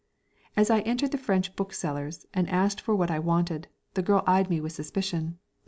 As I entered the French bookseller's, and asked for what I wanted, the girl eyed me with suspicion.